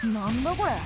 これ」